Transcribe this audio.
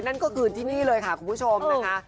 นั่นก็คือที่นี่เลยค่ะคุณผู้ชมนะคะ